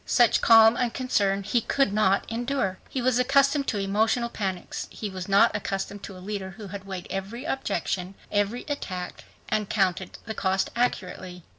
Such calm unconcern he could not endure. He was accustomed to emotional panics. He was not accustomed to a leader who had weighed every objection, every attack and counted the cost accurately.